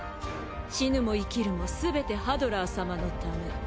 死ぬも生きるもすべてハドラー様のため。